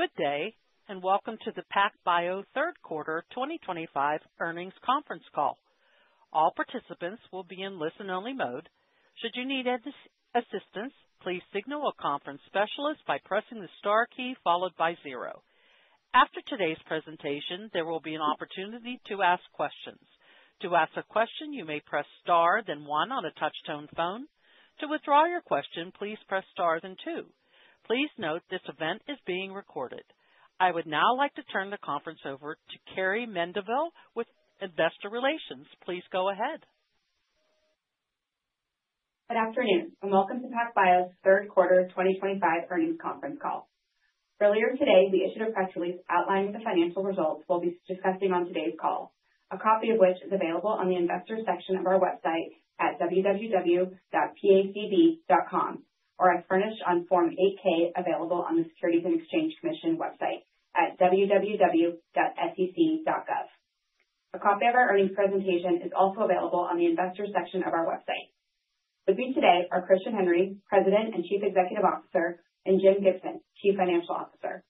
Good day, and welcome to the PacBio Q3 2025 Earnings Conference Call. All participants will be in listen-only mode. Should you need assistance, please signal a conference specialist by pressing the star key followed by zero. After today's presentation, there will be an opportunity to ask questions. To ask a question, you may press star, then one on a touch-tone phone. To withdraw your question, please press star, then two. Please note this event is being recorded. I would now like to turn the conference over to Carrie Mendivil with Investor Relations. Please go ahead. Good afternoon, and welcome to PacBio Q3 2025 earnings conference call. Earlier today, we issued a press release outlining the financial results we'll be discussing on today's call, a copy of which is available on the Investor section of our website at www.pacb.com, or as furnished on Form 8-K available on the Securities and Exchange Commission website at www.sec.gov. A copy of our earnings presentation is also available on the Investor section of our website. With me today are Christian Henry, President and Chief Executive Officer, and Jim Gibson, Chief Financial Officer.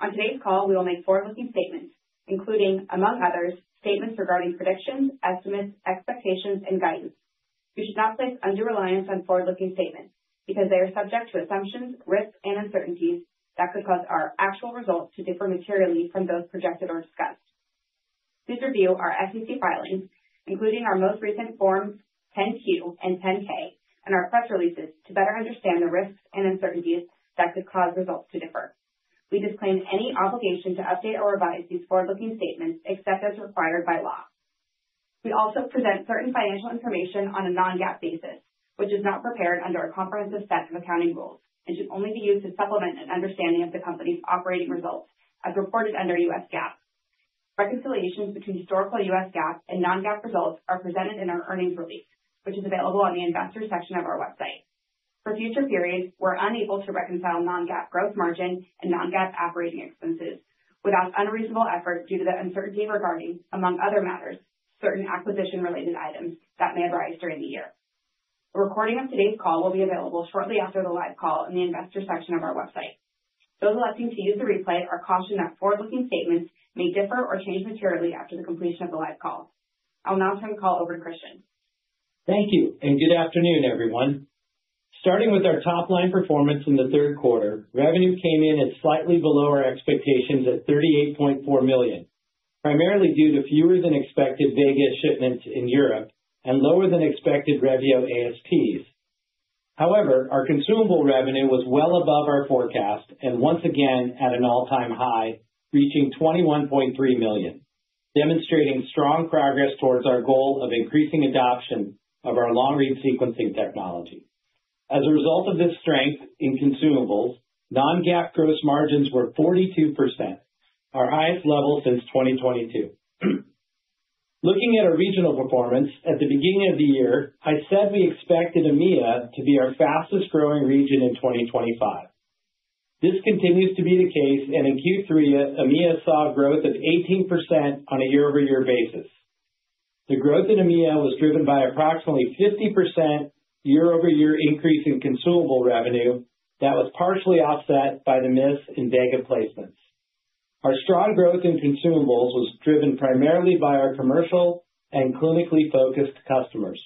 On today's call, we will make forward-looking statements, including, among others, statements regarding predictions, estimates, expectations, and guidance. We should not place undue reliance on forward-looking statements because they are subject to assumptions, risks, and uncertainties that could cause our actual results to differ materially from those projected or discussed. Please review our SEC filings, including our most recent Form 10-Q and 10-K, and our press releases, to better understand the risks and uncertainties that could cause results to differ. We disclaim any obligation to update or revise these forward-looking statements except as required by law. We also present certain financial information on a non-GAAP basis, which is not prepared under a comprehensive set of accounting rules, and should only be used to supplement an understanding of the company's operating results, as reported under U.S. GAAP. Reconciliations between historical U.S. GAAP and non-GAAP results are presented in our earnings release, which is available on the Investor section of our website. For future periods, we're unable to reconcile non-GAAP gross margin and non-GAAP operating expenses without unreasonable effort due to the uncertainty regarding, among other matters, certain acquisition-related items that may arise during the year. A recording of today's call will be available shortly after the live call in the investor section of our website. Those electing to use the replay are cautioned that forward-looking statements may differ or change materially after the completion of the live call. I'll now turn the call over to Christian. Thank you, and good afternoon, everyone. Starting with our topline performance in Q3, revenue came in at slightly below our expectations at $38.4 million, primarily due to fewer-than-expected Vega shipments in Europe and lower-than-expected Revio ASPs. However, our consumable revenue was well above our forecast and once again at an all-time high, reaching $21.3 million, demonstrating strong progress towards our goal of increasing adoption of our long-read sequencing technology. As a result of this strength in consumables, non-GAAP gross margins were 42%, our highest level since 2022. Looking at our regional performance, at the beginning of the year, I said we expected EMEA to be our fastest-growing region in 2025. This continues to be the case, and in Q3, EMEA saw a growth of 18% on a year-over-year basis. The growth in EMEA was driven by approximately a 50% year-over-year increase in consumable revenue that was partially offset by the miss in Vega placements. Our strong growth in consumables was driven primarily by our commercial and clinically focused customers.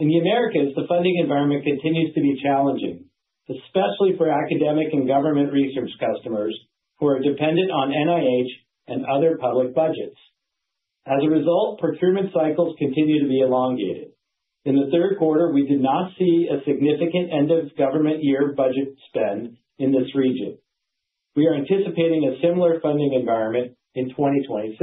In the Americas, the funding environment continues to be challenging, especially for academic and government research customers who are dependent on NIH and other public budgets. As a result, procurement cycles continue to be elongated. In Q3, we did not see a significant end-of-government year budget spend in this region. We are anticipating a similar funding environment in 2026.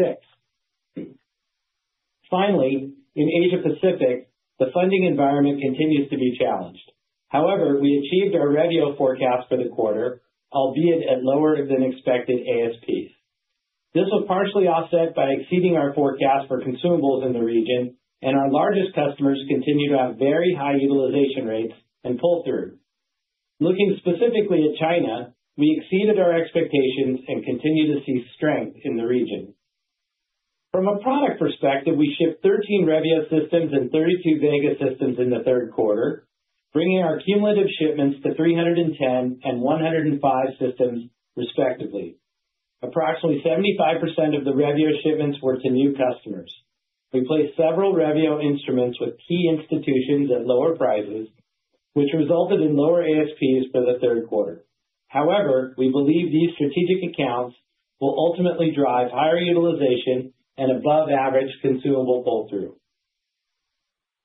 Finally, in Asia-Pacific, the funding environment continues to be challenged. However, we achieved our Revio forecast for the quarter, albeit at lower-than-expected ASPs. This was partially offset by exceeding our forecast for consumables in the region, and our largest customers continue to have very high utilization rates and pull-through. Looking specifically at China, we exceeded our expectations and continue to see strength in the region. From a product perspective, we shipped 13 Revio systems and 32 Vega systems in Q3, bringing our cumulative shipments to 310 and 105 systems, respectively. Approximately 75% of the Revio shipments were to new customers. We placed several Revio instruments with key institutions at lower prices, which resulted in lower ASPs for Q3. However, we believe these strategic accounts will ultimately drive higher utilization and above-average consumable pull-through.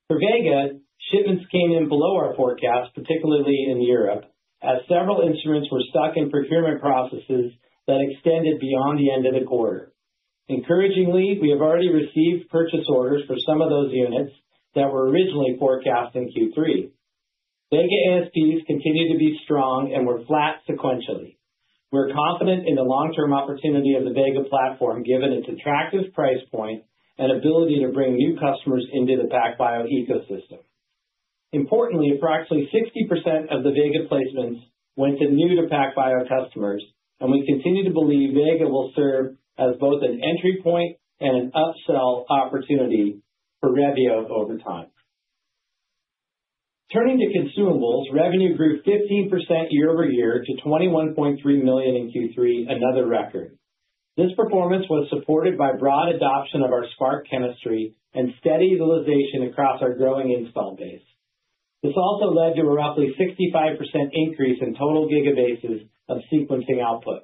For Vega, shipments came in below our forecast, particularly in Europe, as several instruments were stuck in procurement processes that extended beyond the end of the quarter. Encouragingly, we have already received purchase orders for some of those units that were originally forecast in Q3. Vega ASPs continue to be strong and were flat sequentially. We're confident in the long-term opportunity of the Vega platform, given its attractive price point and ability to bring new customers into the PacBio ecosystem. Importantly, approximately 60% of the Vega placements went to new-to-PacBio customers, and we continue to believe Vega will serve as both an entry point and an upsell opportunity for Revio over time. Turning to consumables, revenue grew 15% year-over-year to $21.3 million in Q3, another record. This performance was supported by broad adoption of our SPRQ chemistry and steady utilization across our growing install base. This also led to a roughly 65% increase in total gigabases of sequencing output.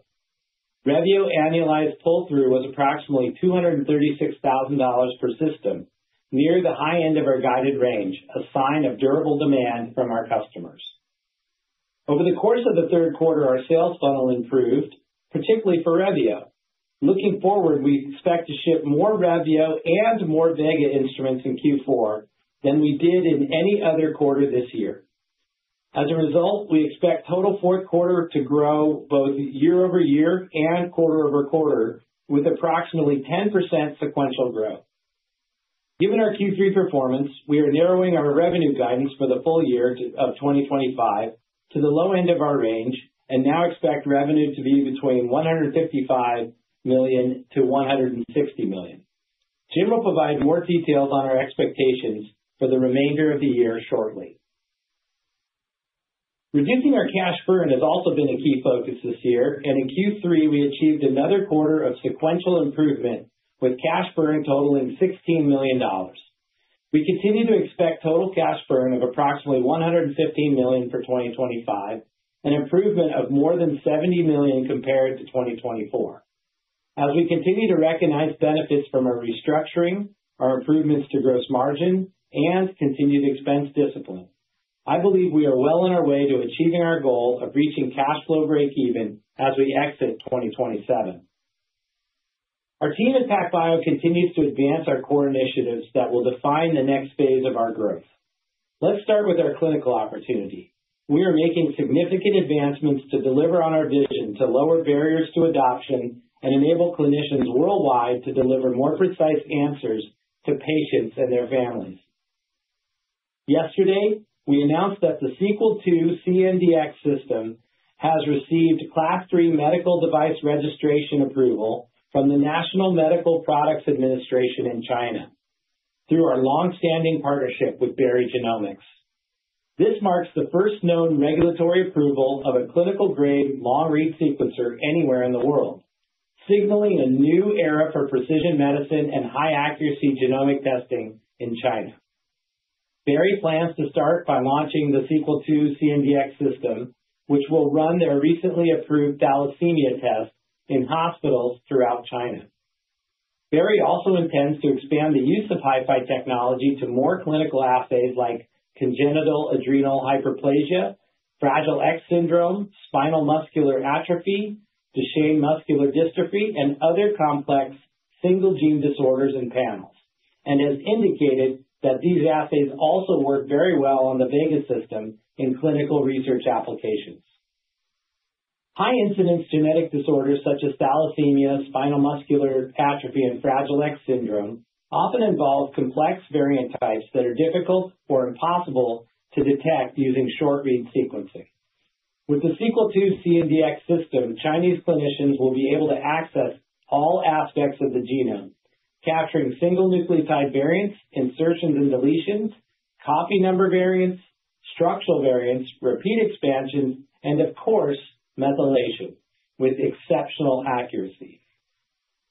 Revio annualized pull-through was approximately $236,000 per system, near the high end of our guided range, a sign of durable demand from our customers. Over the course of Q3, our sales funnel improved, particularly for Revio. Looking forward, we expect to ship more Revio and more Vega instruments in Q4 than we did in any other quarter this year. As a result, we expect total Q4 to grow both year-over-year and quarter-over-quarter, with approximately 10% sequential growth. Given our Q3 performance, we are narrowing our revenue guidance for the full year of 2025 to the low end of our range and now expect revenue to be between $155 million-$160 million. Jim will provide more details on our expectations for the remainder of the year shortly. Reducing our cash burn has also been a key focus this year, and in Q3, we achieved another quarter of sequential improvement, with cash burn totaling $16 million. We continue to expect total cash burn of approximately $115 million for 2025, an improvement of more than $70 million compared to 2024. As we continue to recognize benefits from our restructuring, our improvements to gross margin, and continued expense discipline, I believe we are well on our way to achieving our goal of reaching cash flow break-even as we exit 2027. Our team at PacBio continues to advance our core initiatives that will define the next phase of our growth. Let's start with our clinical opportunity. We are making significant advancements to deliver on our vision to lower barriers to adoption and enable clinicians worldwide to deliver more precise answers to patients and their families. Yesterday, we announced that the Sequel II CNDx system has received Class III medical device registration approval from the National Medical Products Administration in China through our longstanding partnership with Berry Genomics. This marks the first known regulatory approval of a clinical-grade long-read sequencer anywhere in the world, signaling a new era for precision medicine and high-accuracy genomic testing in China. Berry plans to start by launching the Sequel II CNDx system, which will run their recently approved thalassemia test in hospitals throughout China. Berry also intends to expand the use of HiFi technology to more clinical assays like congenital adrenal hyperplasia, fragile X syndrome, spinal muscular atrophy, Duchenne muscular dystrophy, and other complex single-gene disorders in panels, and has indicated that these assays also work very well on the Vega system in clinical research applications. High-incidence genetic disorders such as thalassemia, spinal muscular atrophy, and fragile X syndrome often involve complex variant types that are difficult or impossible to detect using short-read sequencing. With the Sequel II CNDx system, Chinese clinicians will be able to access all aspects of the genome, capturing single-nucleotide variants, insertions and deletions, copy number variants, structural variants, repeat expansions, and, of course, methylation with exceptional accuracy.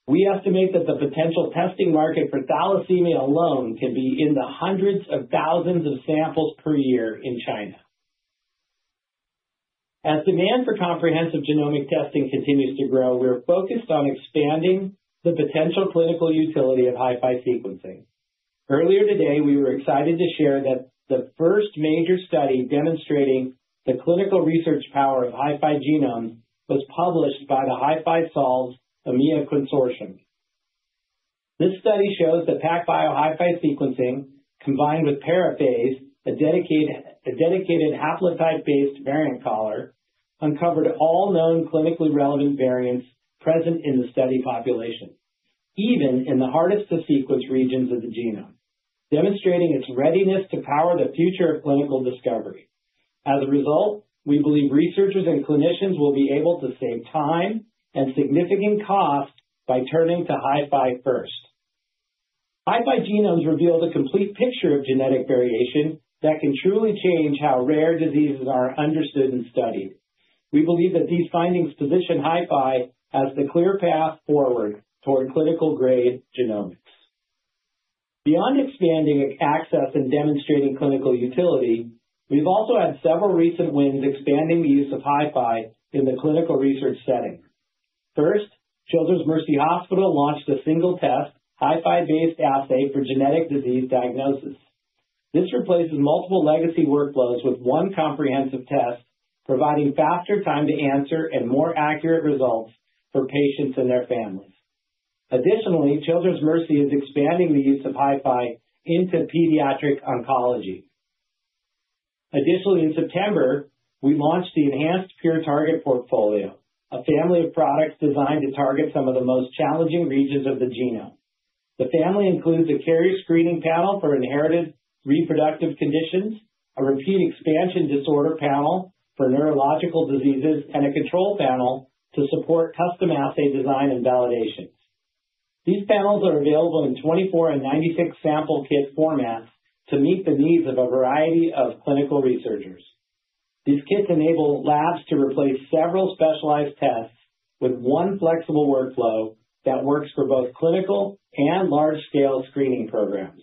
We estimate that the potential testing market for thalassemia alone can be in the hundreds of thousands of samples per year in China. As demand for comprehensive genomic testing continues to grow, we are focused on expanding the potential clinical utility of HiFi sequencing. Earlier today, we were excited to share that the first major study demonstrating the clinical research power of HiFi genomes was published by the HiFi Solves EMEA Consortium. This study shows that PacBio HiFi sequencing, combined with Paraphase, a dedicated haplotype-based variant caller, uncovered all known clinically relevant variants present in the study population, even in the hardest-to-sequence regions of the genome, demonstrating its readiness to power the future of clinical discovery. As a result, we believe researchers and clinicians will be able to save time and significant cost by turning to HiFi first. HiFi genomes reveal the complete picture of genetic variation that can truly change how rare diseases are understood and studied. We believe that these findings position HiFi as the clear path forward toward clinical-grade genomics. Beyond expanding access and demonstrating clinical utility, we've also had several recent wins expanding the use of HiFi in the clinical research setting. First, Children's Mercy Kansas City launched a single-test, HiFi-based assay for genetic disease diagnosis. This replaces multiple legacy workflows with one comprehensive test, providing faster time to answer and more accurate results for patients and their families. Additionally, Children's Mercy is expanding the use of HiFi into pediatric oncology. Additionally, in September, we launched the PureTarget portfolio, a family of products designed to target some of the most challenging regions of the genome. The family includes a carrier screening panel for inherited reproductive conditions, a repeat expansion disorder panel for neurological diseases, and a control panel to support custom assay design and validation. These panels are available in 24-sample and 96-sample kit formats to meet the needs of a variety of clinical researchers. These kits enable labs to replace several specialized tests with one flexible workflow that works for both clinical and large-scale screening programs.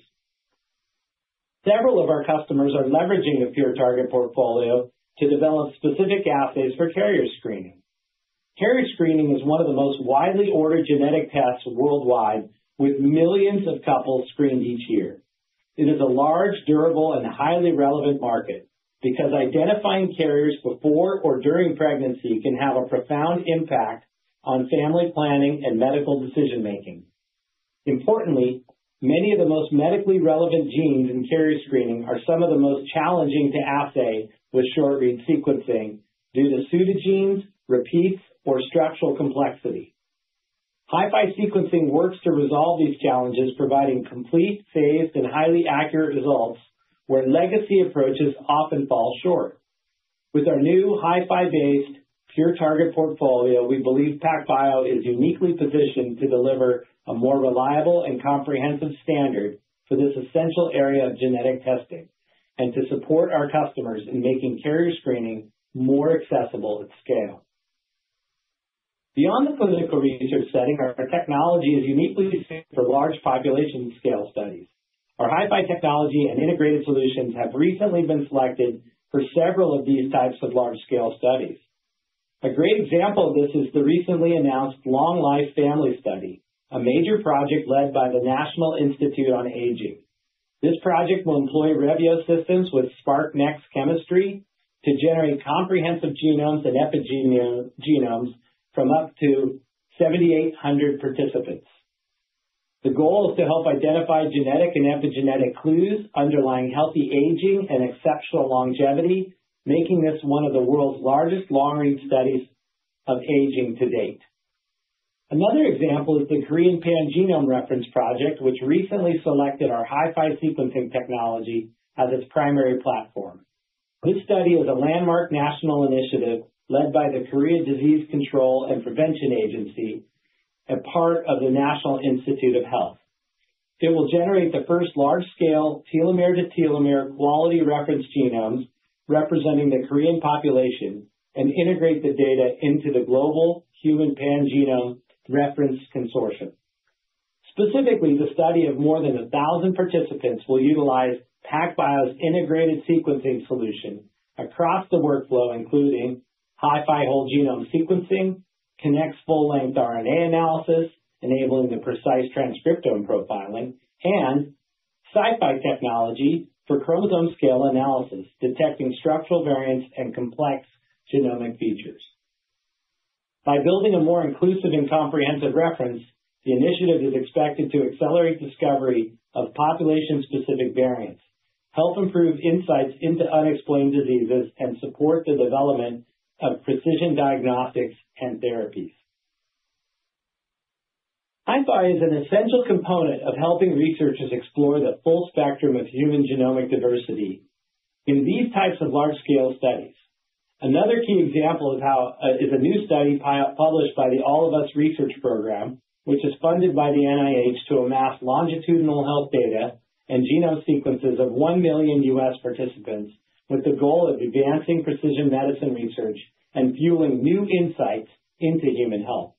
Several of our customers are leveraging PureTarget portfolio to develop specific assays for carrier screening. Carrier screening is one of the most widely ordered genetic tests worldwide, with millions of couples screened each year. It is a large, durable, and highly relevant market because identifying carriers before or during pregnancy can have a profound impact on family planning and medical decision-making. Importantly, many of the most medically relevant genes in carrier screening are some of the most challenging to assay with short-read sequencing due to pseudogenes, repeats, or structural complexity. HiFi sequencing works to resolve these challenges, providing complete, phased, and highly accurate results where legacy approaches often fall short. With our new PureTarget portfolio, we believe PacBio is uniquely positioned to deliver a more reliable and comprehensive standard for this essential area of genetic testing and to support our customers in making carrier screening more accessible at scale. Beyond the clinical research setting, our technology is uniquely suited for large population-scale studies. Our HiFi technology and integrated solutions have recently been selected for several of these types of large-scale studies. A great example of this is the recently announced Long Life Family Study, a major project led by the National Institute on Aging. This project will employ Revio systems with SPRQ-Nx chemistry to generate comprehensive genomes and epigenomes from up to 7,800 participants. The goal is to help identify genetic and epigenetic clues underlying healthy aging and exceptional longevity, making this one of the world's largest long-read studies of aging to date. Another example is the Korean Pangenome Reference Project, which recently selected our HiFi sequencing technology as its primary platform. This study is a landmark national initiative led by the Korea Disease Control and Prevention Agency, a part of the National Institute of Health. It will generate the first large-scale telomere-to-telomere quality reference genomes representing the Korean population and integrate the data into the global Human Pangenome Reference Consortium. Specifically, the study of more than 1,000 participants will utilize PacBio's integrated sequencing solution across the workflow, including HiFi whole genome sequencing, Kinnex full-length RNA analysis, enabling the precise transcriptome profiling, and CiFi technology for chromosome-scale analysis, detecting structural variants and complex genomic features. By building a more inclusive and comprehensive reference, the initiative is expected to accelerate discovery of population-specific variants, help improve insights into unexplained diseases, and support the development of precision diagnostics and therapies. HiFi is an essential component of helping researchers explore the full spectrum of human genomic diversity in these types of large-scale studies. Another key example is a new study published by the All of Us Research Program, which is funded by the NIH to amass longitudinal health data and genome sequences of one million U.S. participants with the goal of advancing precision medicine research and fueling new insights into human health.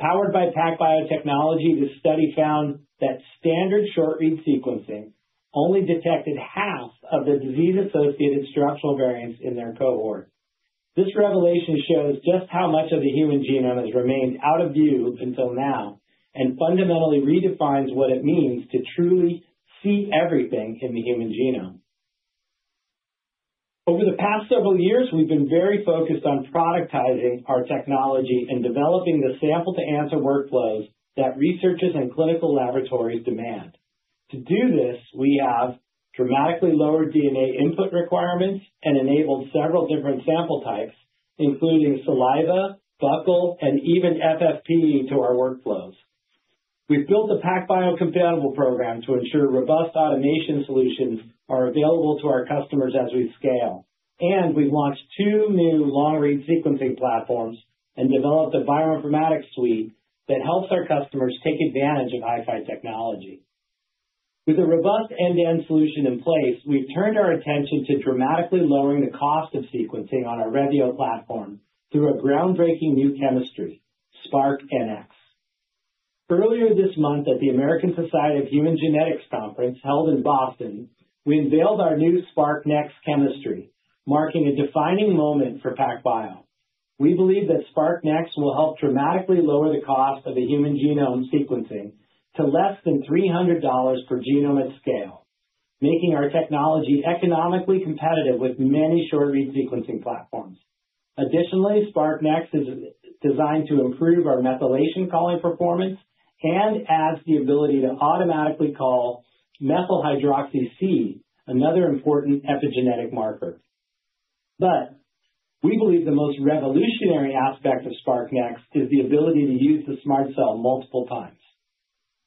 Powered by PacBio technology, this study found that standard short-read sequencing only detected half of the disease-associated structural variants in their cohort. This revelation shows just how much of the human genome has remained out of view until now and fundamentally redefines what it means to truly see everything in the human genome. Over the past several years, we've been very focused on productizing our technology and developing the sample-to-answer workflows that researchers and clinical laboratories demand. To do this, we have dramatically lowered DNA input requirements and enabled several different sample types, including saliva, buccal, and even FFPE to our workflows. We've built the PacBio Compatible program to ensure robust automation solutions are available to our customers as we scale, and we've launched two new long-read sequencing platforms and developed a bioinformatics suite that helps our customers take advantage of HiFi technology. With a robust end-to-end solution in place, we've turned our attention to dramatically lowering the cost of sequencing on our Revio platform through a groundbreaking new chemistry, SPRQ-Nx. Earlier this month at the American Society of Human Genetics Conference held in Boston, we unveiled our new SPRQ-Nx chemistry, marking a defining moment for PacBio. We believe that SPRQ-Nx will help dramatically lower the cost of the human genome sequencing to less than $300 per genome at scale, making our technology economically competitive with many short-read sequencing platforms. Additionally, SPRQ-Nx is designed to improve our methylation calling performance and adds the ability to automatically call methyl-hydroxy C, another important epigenetic marker. But we believe the most revolutionary aspect of SPRQ-Nx is the ability to use the SMRT Cell multiple times.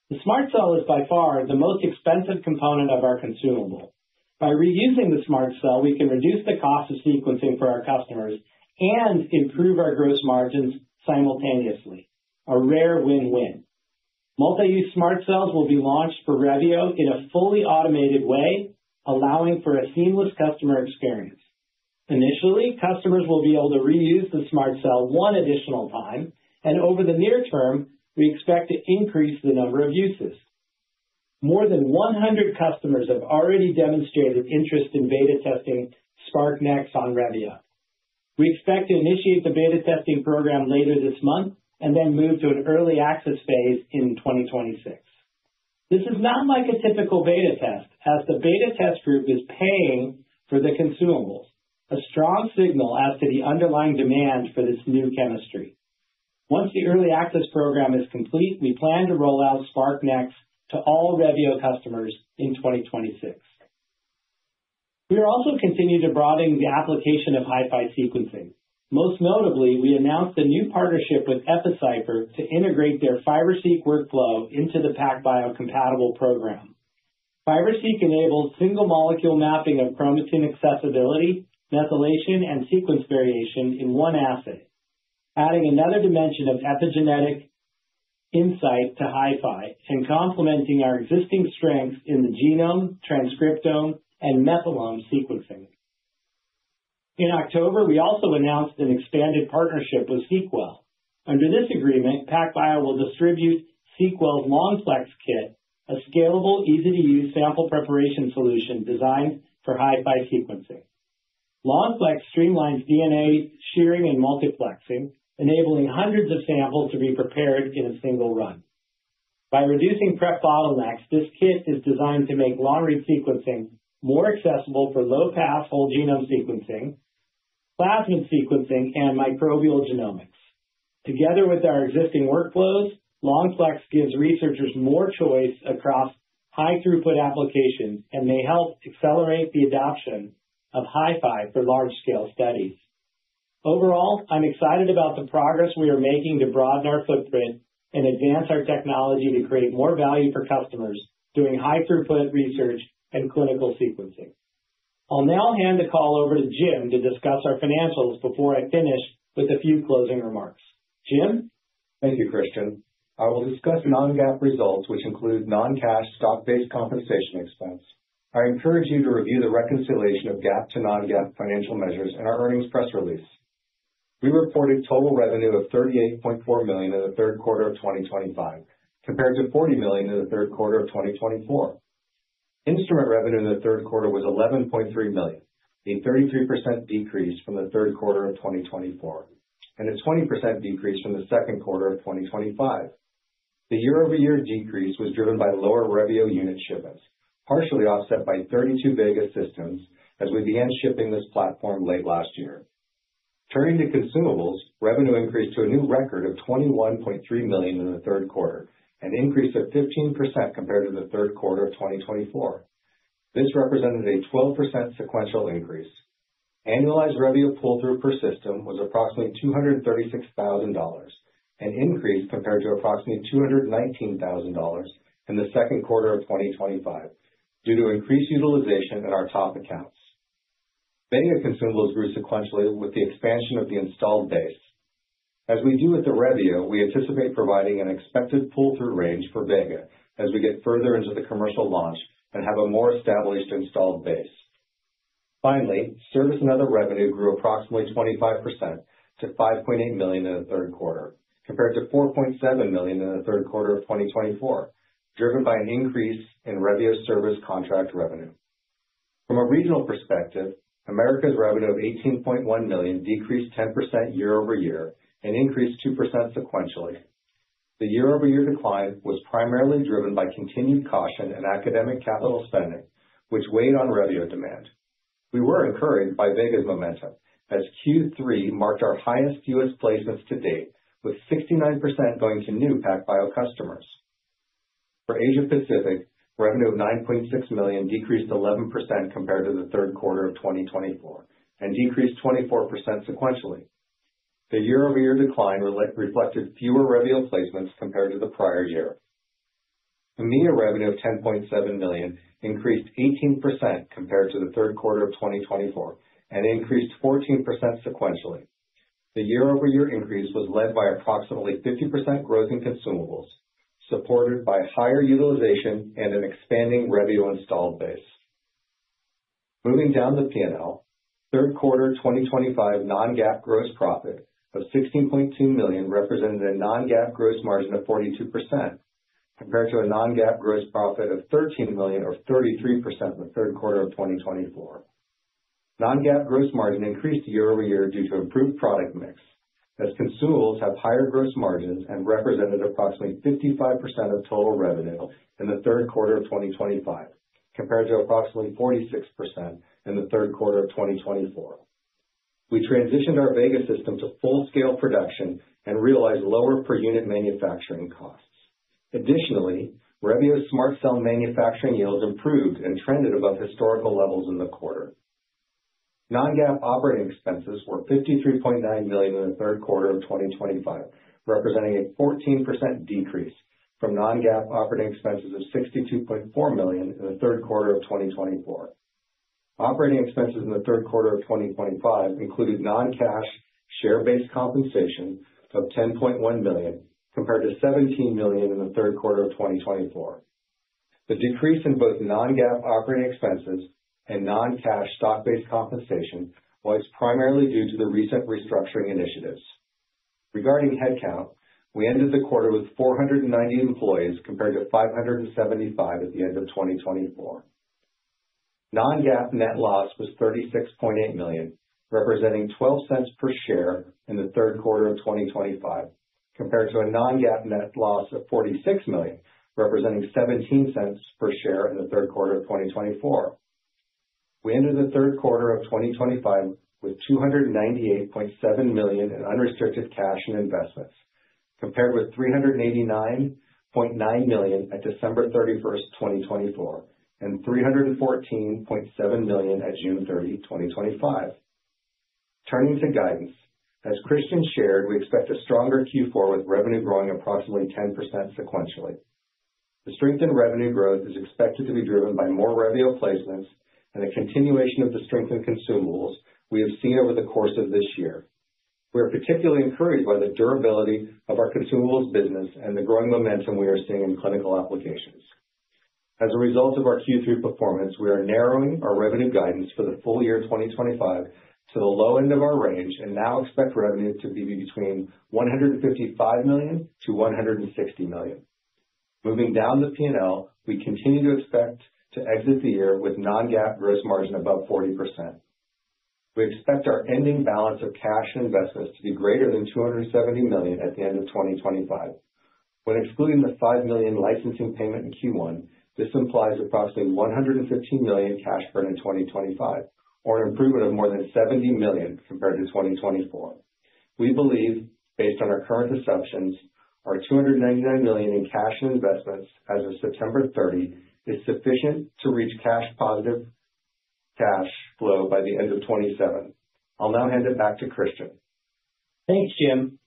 The SMRT Cell is by far the most expensive component of our consumable. By reusing the SMRT Cell, we can reduce the cost of sequencing for our customers and improve our gross margins simultaneously. A rare win-win. Multi-use SMRT Cells will be launched for Revio in a fully automated way, allowing for a seamless customer experience. Initially, customers will be able to reuse the SMRT Cell one additional time, and over the near term, we expect to increase the number of uses. More than 100 customers have already demonstrated interest in beta testing SPRQ-Nx on Revio. We expect to initiate the beta testing program later this month and then move to an early access phase in 2026. This is not like a typical beta test, as the beta test group is paying for the consumables, a strong signal as to the underlying demand for this new chemistry. Once the early access program is complete, we plan to roll out SPRQ-Nx to all Revio customers in 2026. We are also continuing to broaden the application of HiFi sequencing. Most notably, we announced a new partnership with EpiCypher to integrate their Fiber-seq workflow into the PacBio Compatible program. Fiber-Seq enables single-molecule mapping of chromatin accessibility, methylation, and sequence variation in one assay, adding another dimension of epigenetic insight to HiFi and complementing our existing strengths in the genome, transcriptome, and methylome sequencing. In October, we also announced an expanded partnership with seqWell. Under this agreement, PacBio will distribute seqWell's LongPlex Kit, a scalable, easy-to-use sample preparation solution designed for HiFi sequencing. LongPlex streamlines DNA shearing and multiplexing, enabling hundreds of samples to be prepared in a single run. By reducing prep bottlenecks, this kit is designed to make long-read sequencing more accessible for low-pass whole genome sequencing, plasmid sequencing, and microbial genomics. Together with our existing workflows, LongPlex gives researchers more choice across high-throughput applications and may help accelerate the adoption of HiFi for large-scale studies. Overall, I'm excited about the progress we are making to broaden our footprint and advance our technology to create more value for customers doing high-throughput research and clinical sequencing. I'll now hand the call over to Jim to discuss our financials before I finish with a few closing remarks. Jim? Thank you, Christian. I will discuss non-GAAP results, which include non-cash stock-based compensation expense. I encourage you to review the reconciliation of GAAP to non-GAAP financial measures in our earnings press release. We reported total revenue of $38.4 million in the third quarter of 2025, compared to $40 million in the third quarter of 2024. Instrument revenue in the third quarter was $11.3 million, a 33% decrease from the third quarter of 2024 and a 20% decrease from the second quarter of 2025. The year-over-year decrease was driven by lower Revio unit shipments, partially offset by 32 Vega systems as we began shipping this platform late last year. Turning to consumables, revenue increased to a new record of $21.3 million in the third quarter, an increase of 15% compared to the third quarter of 2024. This represented a 12% sequential increase. Annualized Revio pull-through per system was approximately $236,000, an increase compared to approximately $219,000 in the second quarter of 2025 due to increased utilization in our top accounts. Vega consumables grew sequentially with the expansion of the installed base. As we do with the Revio, we anticipate providing an expected pull-through range for Vega as we get further into the commercial launch and have a more established installed base. Finally, service and other revenue grew approximately 25% to $5.8 million in the third quarter, compared to $4.7 million in the third quarter of 2024, driven by an increase in Revio service contract revenue. From a regional perspective, Americas revenue of $18.1 million decreased 10% year-over-year and increased 2% sequentially. The year-over-year decline was primarily driven by continued caution and academic capital spending, which weighed on Revio demand. We were encouraged by Vega's momentum as Q3 marked our highest U.S. placements to date, with 69% going to new PacBio customers. For Asia-Pacific, revenue of $9.6 million decreased 11% compared to the third quarter of 2024 and decreased 24% sequentially. The year-over-year decline reflected fewer Revio placements compared to the prior year. EMEA revenue of $10.7 million increased 18% compared to the third quarter of 2024 and increased 14% sequentially. The year-over-year increase was led by approximately 50% growth in consumables, supported by higher utilization and an expanding Revio installed base. Moving down the P&L, third quarter 2025 non-GAAP gross profit of $16.2 million represented a non-GAAP gross margin of 42% compared to a non-GAAP gross profit of $13 million, or 33% in the third quarter of 2024. Non-GAAP gross margin increased year-over-year due to improved product mix, as consumables have higher gross margins and represented approximately 55% of total revenue in the third quarter of 2025, compared to approximately 46% in the third quarter of 2024. We transitioned our Vega system to full-scale production and realized lower per-unit manufacturing costs. Additionally, Revio's SMRT Cell manufacturing yields improved and trended above historical levels in the quarter. Non-GAAP operating expenses were $53.9 million in the third quarter of 2025, representing a 14% decrease from non-GAAP operating expenses of $62.4 million in the third quarter of 2024. Operating expenses in the third quarter of 2025 included non-cash share-based compensation of $10.1 million, compared to $17 million in the third quarter of 2024. The decrease in both non-GAAP operating expenses and non-cash stock-based compensation was primarily due to the recent restructuring initiatives. Regarding headcount, we ended the quarter with 490 employees, compared to 575 at the end of 2024. Non-GAAP net loss was $36.8 million, representing $0.12 per share in the third quarter of 2025, compared to a non-GAAP net loss of $46 million, representing $0.17 per share in the third quarter of 2024. We ended the third quarter of 2025 with $298.7 million in unrestricted cash and investments, compared with $389.9 million at December 31, 2024, and $314.7 million at June 30, 2025. Turning to guidance, as Christian shared, we expect a stronger Q4 with revenue growing approximately 10% sequentially. The strengthened revenue growth is expected to be driven by more Revio placements and a continuation of the strengthened consumables we have seen over the course of this year. We are particularly encouraged by the durability of our consumables business and the growing momentum we are seeing in clinical applications. As a result of our Q3 performance, we are narrowing our revenue guidance for the full year 2025 to the low end of our range and now expect revenue to be between $155 million and $160 million. Moving down the P&L, we continue to expect to exit the year with non-GAAP gross margin above 40%. We expect our ending balance of cash and investments to be greater than $270 million at the end of 2025. When excluding the $5 million licensing payment in Q1, this implies approximately $115 million cash burn in 2025, or an improvement of more than $70 million compared to 2024. We believe, based on our current assumptions, our $299 million in cash and investments as of September 30 is sufficient to reach cash-positive cash flow by the end of 2027. I'll now hand it back to Christian. Thanks, Jim.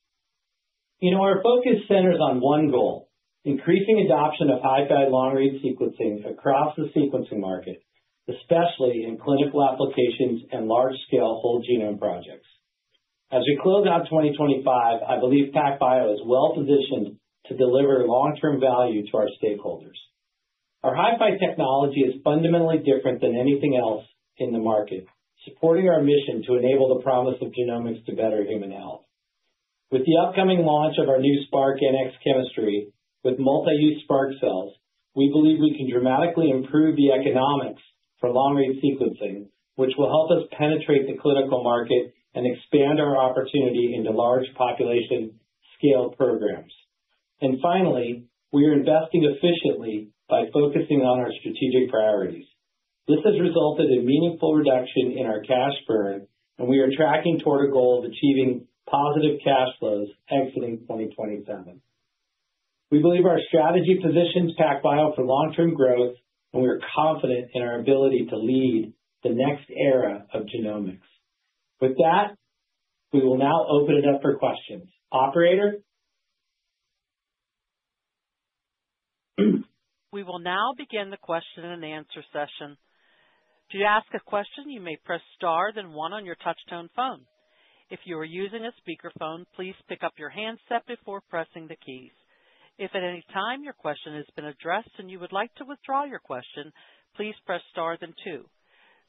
You know, our focus centers on one goal: increasing adoption of HiFi long-read sequencing across the sequencing market, especially in clinical applications and large-scale whole genome projects. As we close out 2025, I believe PacBio is well-positioned to deliver long-term value to our stakeholders. Our HiFi technology is fundamentally different than anything else in the market, supporting our mission to enable the promise of genomics to better human health. With the upcoming launch of our new SPRQ-Nx chemistry with multi-use SPRQ cells, we believe we can dramatically improve the economics for long-read sequencing, which will help us penetrate the clinical market and expand our opportunity into large population-scale programs. And finally, we are investing efficiently by focusing on our strategic priorities. This has resulted in a meaningful reduction in our cash burn, and we are tracking toward a goal of achieving positive cash flows exiting 2027. We believe our strategy positions PacBio for long-term growth, and we are confident in our ability to lead the next era of genomics. With that, we will now open it up for questions. Operator? We will now begin the question-and-answer session. To ask a question, you may press star then one on your touch-tone phone. If you are using a speakerphone, please pick up your handset before pressing the keys. If at any time your question has been addressed and you would like to withdraw your question, please press star then two.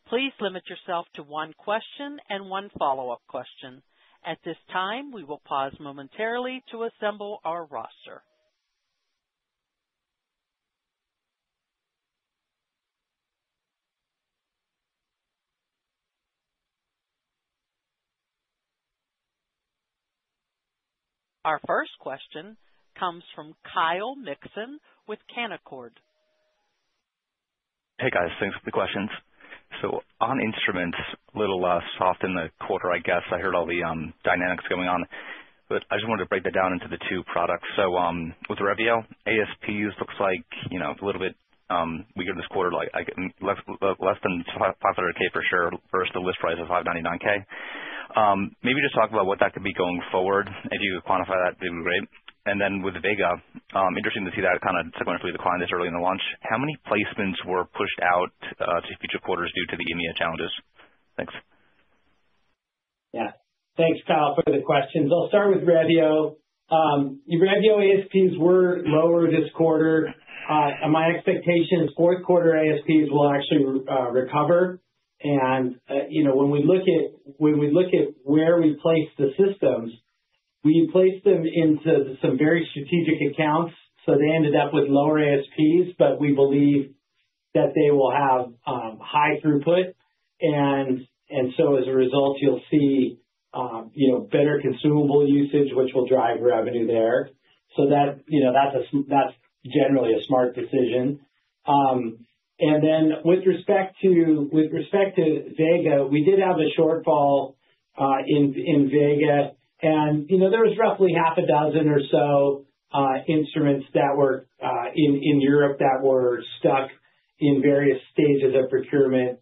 Please limit yourself to one question and one follow-up question. At this time, we will pause momentarily to assemble our roster. Our first question comes from Kyle Mikson with Canaccord. Hey, guys. Thanks for the questions. So on instruments, a little soft in the quarter, I guess. I heard all the dynamics going on, but I just wanted to break that down into the two products. So with Revio, ASPs looks like, you know, a little bit weaker this quarter, like less than $500,000 for sure, versus the list price of $599,000. Maybe just talk about what that could be going forward. If you could quantify that, that'd be great. And then with Vega, interesting to see that kind of sequentially declined this early in the launch. How many placements were pushed out to future quarters due to the EMEA challenges? Thanks. Yeah. Thanks, Kyle, for the questions. I'll start with Revio. Revio ASPs were lower this quarter. My expectation is fourth-quarter ASPs will actually recover. And, you know, when we look at where we placed the systems, we placed them into some very strategic accounts, so they ended up with lower ASPs, but we believe that they will have high throughput. And so, as a result, you'll see, you know, better consumable usage, which will drive revenue there. So that, you know, that's generally a smart decision. And then with respect to Vega, we did have a shortfall in Vega, and, you know, there was roughly half a dozen or so instruments that were in Europe that were stuck in various stages of procurement.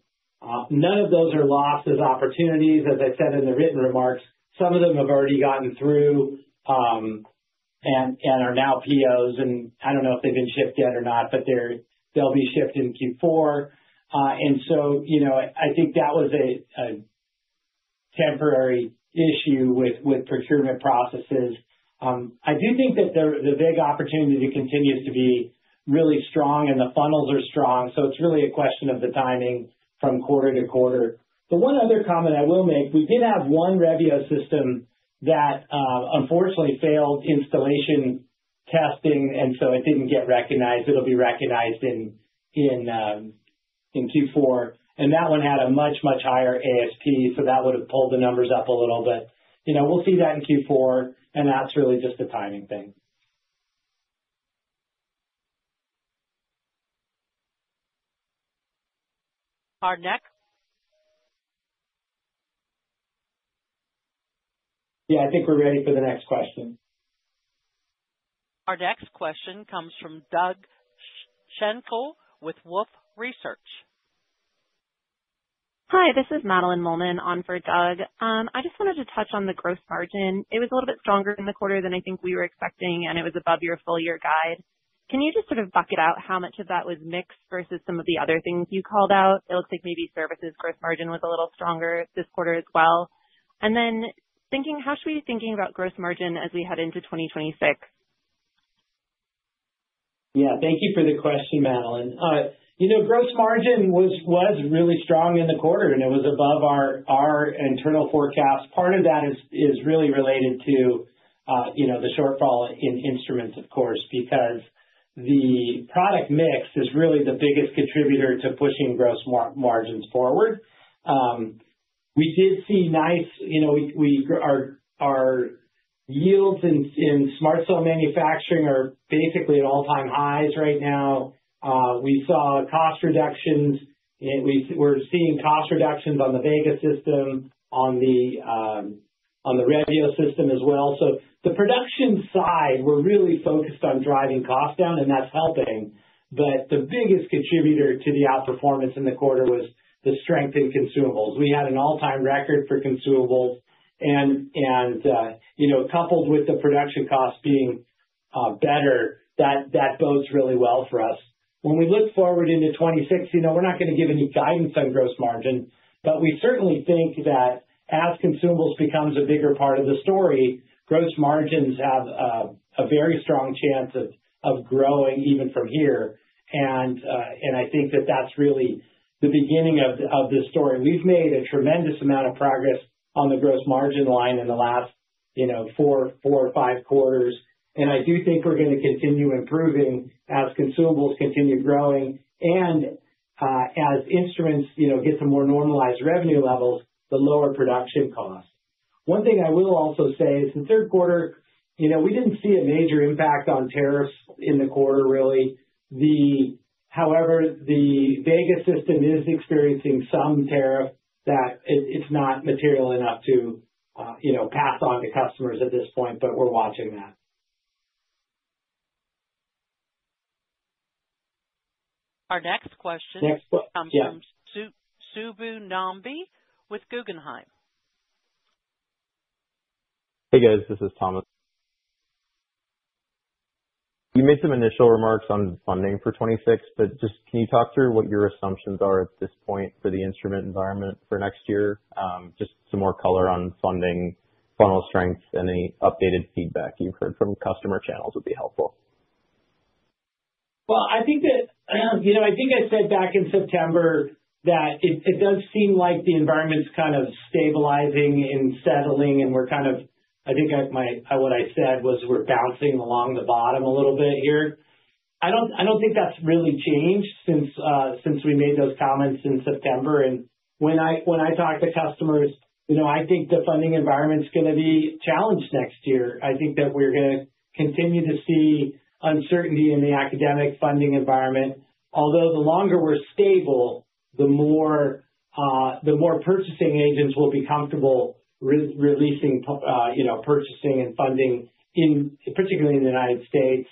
None of those are lost as opportunities. As I said in the written remarks, some of them have already gotten through and are now POs. And I don't know if they've been shipped yet or not, but they'll be shipped in Q4. And so, you know, I think that was a temporary issue with procurement processes. I do think that the Vega opportunity continues to be really strong, and the funnels are strong. So it's really a question of the timing from quarter to quarter. But one other comment I will make. We did have one Revio system that unfortunately failed installation testing, and so it didn't get recognized. It'll be recognized in Q4, and that one had a much, much higher ASP, so that would have pulled the numbers up a little. But you know, we'll see that in Q4, and that's really just a timing thing. Yeah, I think we're ready for the next question. Our next question comes from Doug Schenkel with Wolfe Research. Hi, this is Madeline Mollman on for Doug. I just wanted to touch on the gross margin. It was a little bit stronger in the quarter than I think we were expecting, and it was above your full-year guide. Can you just sort of bucket out how much of that was mixed versus some of the other things you called out? It looks like maybe services gross margin was a little stronger this quarter as well. Then thinking, how should we be thinking about gross margin as we head into 2026? Yeah, thank you for the question, Madeline. You know, gross margin was really strong in the quarter, and it was above our internal forecasts. Part of that is really related to, you know, the shortfall in instruments, of course, because the product mix is really the biggest contributor to pushing gross margins forward. We did see nice, you know, our yields in SMRT Cell manufacturing are basically at all-time highs right now. We saw cost reductions. We're seeing cost reductions on the Vega system, on the Revio system as well. So the production side, we're really focused on driving costs down, and that's helping. But the biggest contributor to the outperformance in the quarter was the strength in consumables. We had an all-time record for consumables, and, you know, coupled with the production costs being better, that bodes really well for us. When we look forward into 2024, you know, we're not going to give any guidance on gross margin, but we certainly think that as consumables become a bigger part of the story, gross margins have a very strong chance of growing even from here. And I think that that's really the beginning of the story. We've made a tremendous amount of progress on the gross margin line in the last, you know, four or five quarters. And I do think we're going to continue improving as consumables continue growing and as instruments, you know, get to more normalized revenue levels, the lower production costs. One thing I will also say is the third quarter, you know, we didn't see a major impact on tariffs in the quarter, really. However, the Vega system is experiencing some tariff that it's not material enough to, you know, pass on to customers at this point, but we're watching that. Our next question comes from Subbu Nambi with Guggenheim. Hey, guys. This is Thomas. You made some initial remarks on funding for 2026, but just can you talk through what your assumptions are at this point for the instrument environment for next year? Just some more color on funding, funnel strength, and any updated feedback you've heard from customer channels would be helpful. I think that, you know, I think I said back in September that it does seem like the environment's kind of stabilizing and settling, and we're kind of, I think what I said was we're bouncing along the bottom a little bit here. I don't think that's really changed since we made those comments in September. When I talk to customers, you know, I think the funding environment's going to be challenged next year. I think that we're going to continue to see uncertainty in the academic funding environment. Although the longer we're stable, the more purchasing agents will be comfortable releasing, you know, purchasing and funding, particularly in the United States.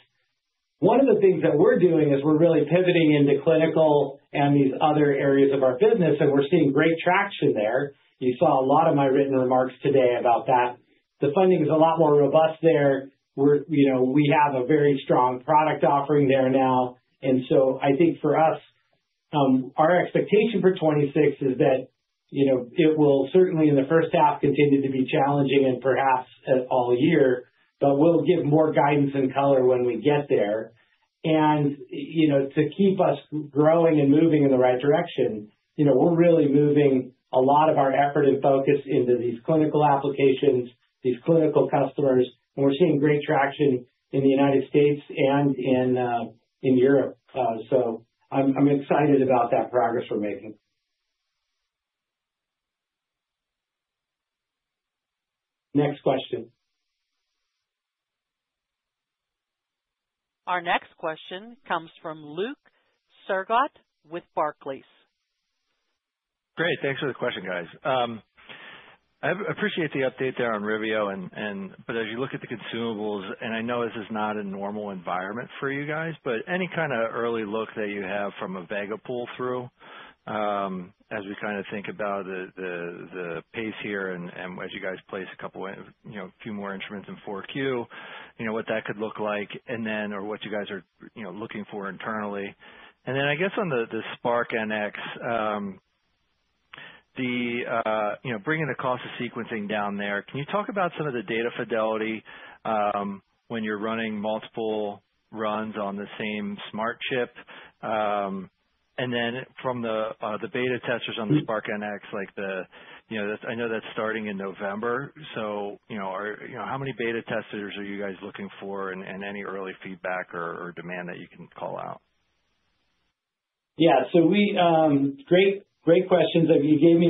One of the things that we're doing is we're really pivoting into clinical and these other areas of our business, and we're seeing great traction there. You saw a lot of my written remarks today about that. The funding is a lot more robust there. We're, you know, we have a very strong product offering there now. And so I think for us, our expectation for 2026 is that, you know, it will certainly in the first half continue to be challenging and perhaps all year, but we'll give more guidance and color when we get there. And, you know, to keep us growing and moving in the right direction, you know, we're really moving a lot of our effort and focus into these clinical applications, these clinical customers, and we're seeing great traction in the United States and in Europe. So I'm excited about that progress we're making. Next question. Our next question comes from Luke Sergott with Barclays. Great. Thanks for the question, guys. I appreciate the update there on Revio, but as you look at the consumables, and I know this is not a normal environment for you guys, but any kind of early look that you have from a Vega pull-through as we kind of think about the pace here and as you guys place a couple of, you know, a few more instruments in 4Q, you know, what that could look like and then or what you guys are, you know, looking for internally. And then I guess on the SPRQ-Nx, the, you know, bringing the cost of sequencing down there, can you talk about some of the data fidelity when you're running multiple runs on the same SMRT Cell? And then from the beta testers on the SPRQ-Nx, like the, you know, I know that's starting in November. So, you know, how many beta testers are you guys looking for and any early feedback or demand that you can call out? Yeah. So, great, great questions. You gave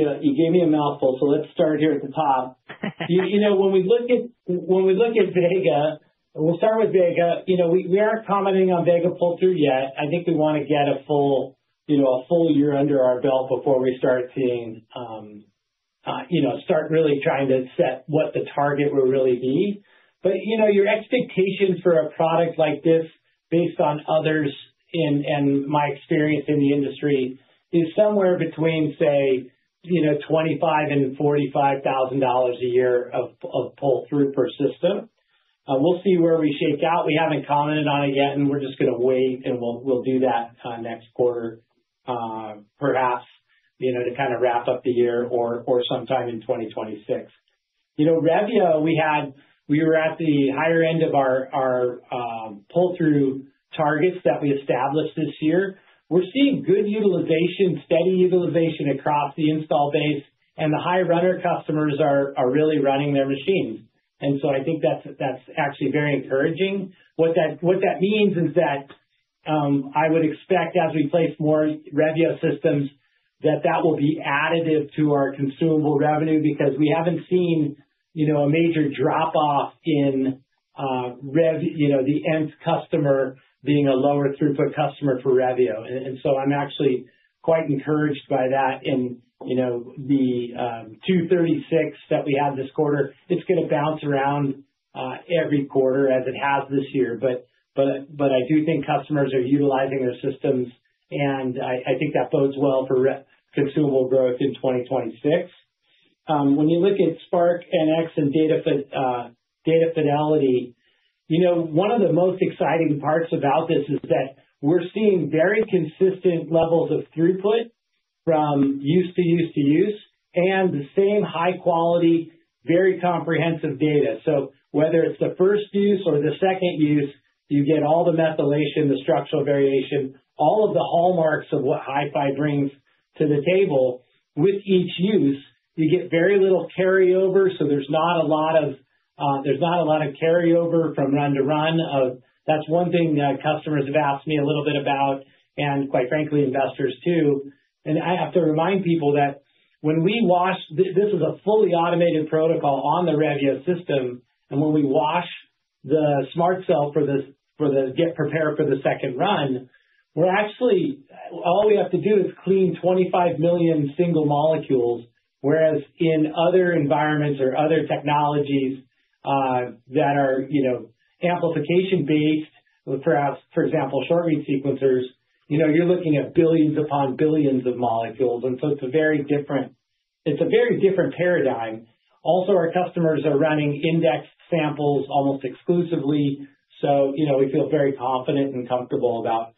me a mouthful, so let's start here at the top. You know, when we look at Vega, we'll start with Vega. You know, we aren't commenting on Vega pull-through yet. I think we want to get a full year under our belt before we start really trying to set what the target will really be. But, you know, your expectation for a product like this, based on others and my experience in the industry, is somewhere between, say, you know, $25,000 and $45,000 a year of pull-through per system. We'll see where we shake out. We haven't commented on it yet, and we're just going to wait, and we'll do that next quarter, perhaps, you know, to kind of wrap up the year or sometime in 2026. You know, Revio, we had, we were at the higher end of our pull-through targets that we established this year. We're seeing good utilization, steady utilization across the install base, and the high-runner customers are really running their machines. And so I think that's actually very encouraging. What that means is that I would expect as we place more Revio systems that that will be additive to our consumable revenue because we haven't seen, you know, a major drop-off in, you know, the end customer being a lower throughput customer for Revio. And so I'm actually quite encouraged by that. You know, the 236 that we had this quarter, it's going to bounce around every quarter as it has this year. But I do think customers are utilizing their systems, and I think that bodes well for consumable growth in 2026. When you look at SPRQ-Nx and data fidelity, you know, one of the most exciting parts about this is that we're seeing very consistent levels of throughput from use to use to use and the same high-quality, very comprehensive data. So whether it's the first use or the second use, you get all the methylation, the structural variation, all of the hallmarks of what HiFi brings to the table. With each use, you get very little carryover, so there's not a lot of carryover from run to run. That's one thing that customers have asked me a little bit about, and quite frankly, investors too, and I have to remind people that when we wash, this is a fully automated protocol on the Revio system, and when we wash the SMRT Cell to get prepared for the second run, we're actually, all we have to do is clean 25 million single molecules, whereas in other environments or other technologies that are, you know, amplification-based, perhaps, for example, short-read sequencers, you know, you're looking at billions upon billions of molecules. And so it's a very different paradigm. Also, our customers are running indexed samples almost exclusively. So, you know, we feel very confident and comfortable about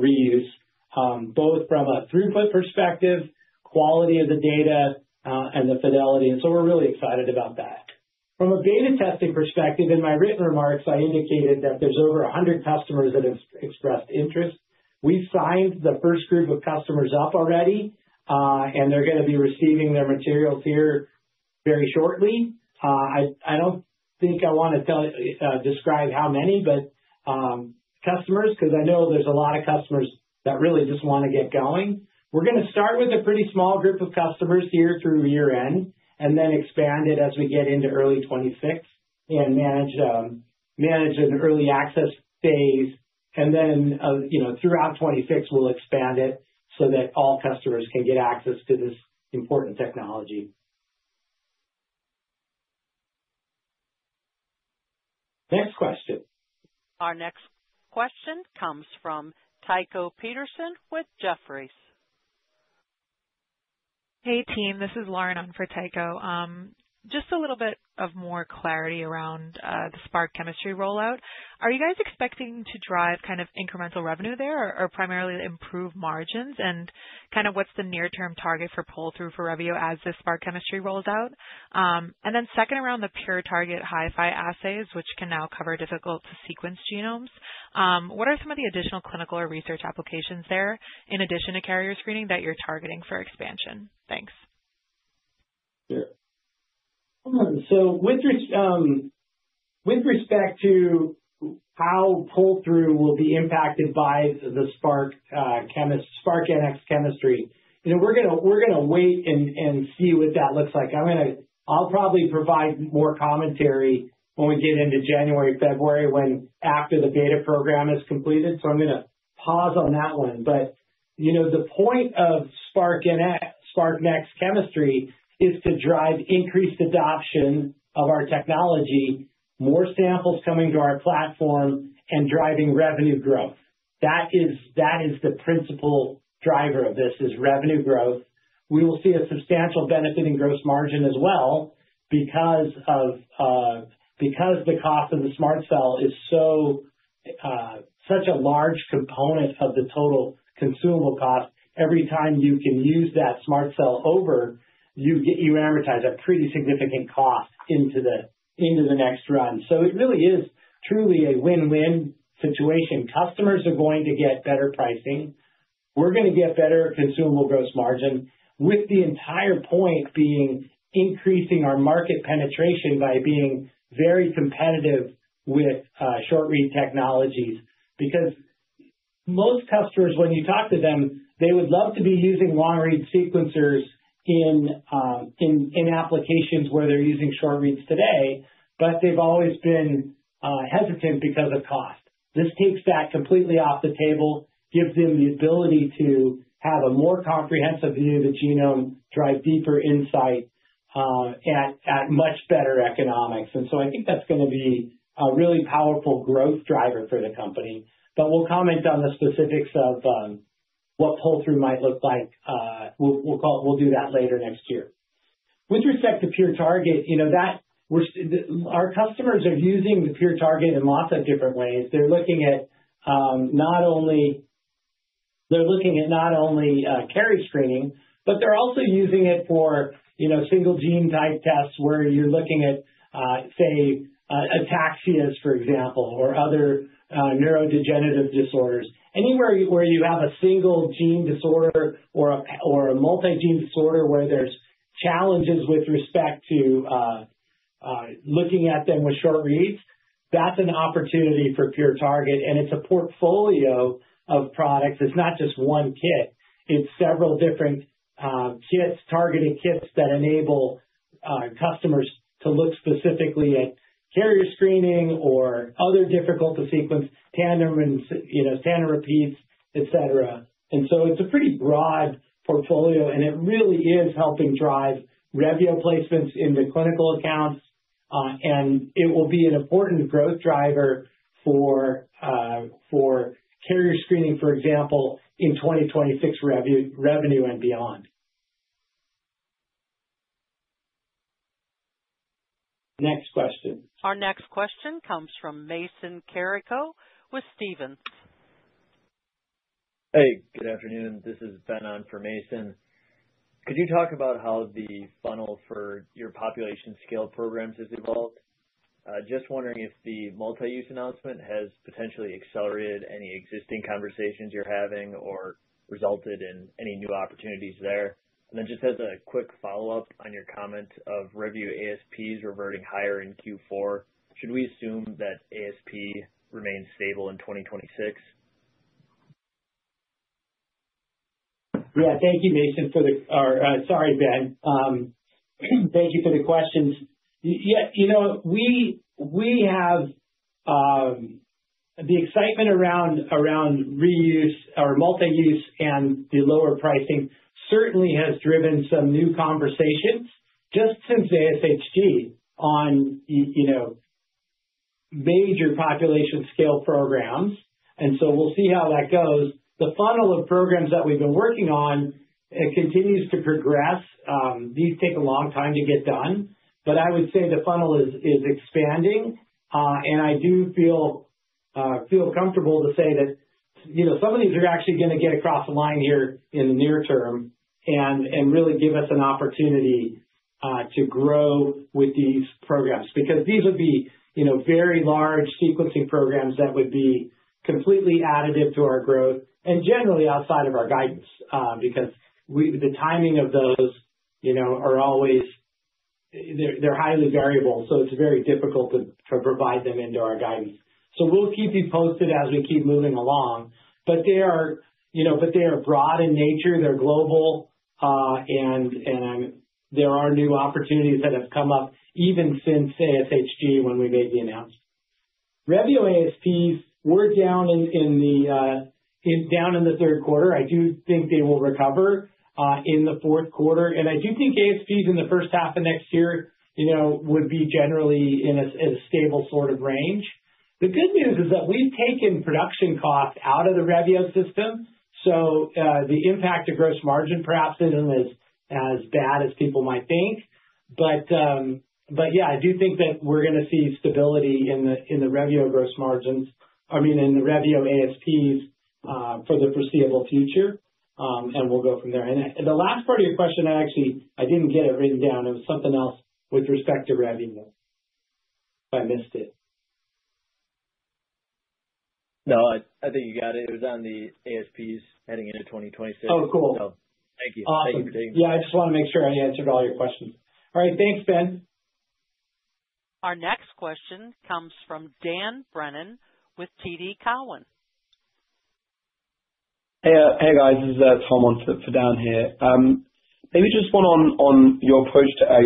reuse, both from a throughput perspective, quality of the data, and the fidelity. And so we're really excited about that. From a beta testing perspective, in my written remarks, I indicated that there's over 100 customers that have expressed interest. We signed the first group of customers up already, and they're going to be receiving their materials here very shortly. I don't think I want to describe how many, but customers, because I know there's a lot of customers that really just want to get going. We're going to start with a pretty small group of customers here through year-end and then expand it as we get into early 2026 and manage an early access phase. And then, you know, throughout 2026, we'll expand it so that all customers can get access to this important technology. Next question. Our next question comes from Tycho Peterson with Jefferies. Hey, team, this is Lauren on for Tycho. Just a little bit of more clarity around the SPRQ chemistry rollout. Are you guys expecting to drive kind of incremental revenue there or primarily improve margins and kind of what's the near-term target for pull-through for Revio as the SPRQ chemistry rolls out? And then second, around PureTarget hifi assays, which can now cover difficult-to-sequence genomes, what are some of the additional clinical or research applications there in addition to carrier screening that you're targeting for expansion? Thanks. Sure. So with respect to how pull-through will be impacted by the SPRQ-Nx chemistry, you know, we're going to wait and see what that looks like. I'm going to, I'll probably provide more commentary when we get into January, February when after the beta program is completed. So I'm going to pause on that one. But, you know, the point of SPRQ-Nx chemistry is to drive increased adoption of our technology, more samples coming to our platform, and driving revenue growth. That is the principal driver of this is revenue growth. We will see a substantial benefit in gross margin as well because the cost of the SMRT Cell is such a large component of the total consumable cost. Every time you can use that SMRT Cell over, you amortize a pretty significant cost into the next run. So it really is truly a win-win situation. Customers are going to get better pricing. We're going to get better consumable gross margin with the entire point being increasing our market penetration by being very competitive with short-read technologies because most customers, when you talk to them, they would love to be using long-read sequencers in applications where they're using short-reads today, but they've always been hesitant because of cost. This takes that completely off the table, gives them the ability to have a more comprehensive view of the genome, drive deeper insight at much better economics. And so I think that's going to be a really powerful growth driver for the company. But we'll comment on the specifics of what pull-through might look like. We'll do that later next year. With respect PureTarget, you know, that our customers are using PureTarget in lots of different ways. They're looking at not only carrier screening, but they're also using it for, you know, single-gene type tests where you're looking at, say, ataxia, for example, or other neurodegenerative disorders. Anywhere where you have a single-gene disorder or a multi-gene disorder where there's challenges with respect to looking at them with short-reads, that's an opportunity PureTarget. and it's a portfolio of products. It's not just one kit. It's several different kits, targeted kits that enable customers to look specifically at carrier screening or other difficult-to-sequence, you know, tandem repeats, etc. And so it's a pretty broad portfolio, and it really is helping drive Revio placements into clinical accounts. And it will be an important growth driver for carrier screening, for example, in 2026 revenue and beyond. Next question. Our next question comes from Mason Carrico with Stephens. Hey, good afternoon. This is Ben on for Mason. Could you talk about how the funnel for your population scale programs has evolved? Just wondering if the multi-use announcement has potentially accelerated any existing conversations you're having or resulted in any new opportunities there. And then just as a quick follow-up on your comment of Revio ASPs reverting higher in Q4, should we assume that ASP remains stable in 2026? Yeah, thank you, Mason, for the, or sorry, Ben. Thank you for the questions. You know, we have the excitement around reuse or multi-use and the lower pricing certainly has driven some new conversations just since ASHG on, you know, major population scale programs. And so we'll see how that goes. The funnel of programs that we've been working on continues to progress. These take a long time to get done, but I would say the funnel is expanding. I do feel comfortable to say that, you know, some of these are actually going to get across the line here in the near term and really give us an opportunity to grow with these programs because these would be, you know, very large sequencing programs that would be completely additive to our growth and generally outside of our guidance because the timing of those, you know, are always, they're highly variable, so it's very difficult to provide them into our guidance. So we'll keep you posted as we keep moving along. But they are, you know, broad in nature. They're global. There are new opportunities that have come up even since ASHG when we made the announcement. Revio ASPs were down in the third quarter. I do think they will recover in the fourth quarter. And I do think ASPs in the first half of next year, you know, would be generally in a stable sort of range. The good news is that we've taken production costs out of the Revio system. So the impact of gross margin perhaps isn't as bad as people might think. But yeah, I do think that we're going to see stability in the Revio gross margins, I mean, in the Revio ASPs for the foreseeable future. And we'll go from there. And the last part of your question, I actually, I didn't get it written down. It was something else with respect to Revio. I missed it. No, I think you got it. It was on the ASPs heading into 2026. Oh, cool. Thank you. Thank you for taking the time. Yeah, I just want to make sure I answered all your questions. All right. Thanks, Ben. Our next question comes from Dan Brennan with TD Cowen. Hey, guys, this is Tom on for Dan here. Maybe just one on your approach to. I